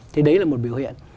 thì đấy là một biểu hiện